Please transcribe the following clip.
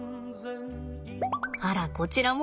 あらこちらも。